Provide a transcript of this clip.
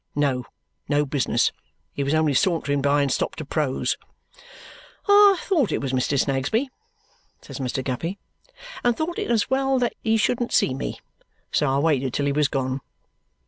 "No. No business. He was only sauntering by and stopped to prose." "I thought it was Snagsby," says Mr. Guppy, "and thought it as well that he shouldn't see me, so I waited till he was gone."